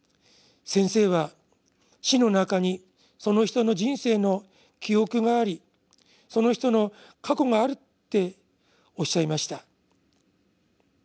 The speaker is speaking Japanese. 先生は『死』の中にその人の人生の『記憶』がありその人の『過去』があるっておっしゃいました。